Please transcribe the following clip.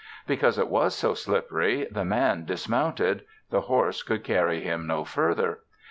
Because it was so slippery, the Man dismounted; the horse could carry him no further.